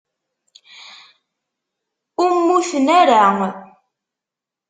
Ur mmuten ara.